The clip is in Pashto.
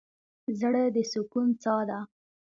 زړه د سکون څاه ده.